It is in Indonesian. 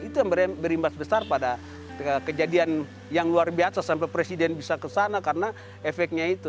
itu yang berimbas besar pada kejadian yang luar biasa sampai presiden bisa kesana karena efeknya itu